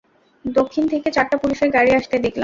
দক্ষিণ থেকে চারটা পুলিশের গাড়ি আসতে দেখলাম।